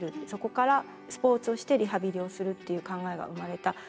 そこからスポーツをしてリハビリをするという考えが生まれた。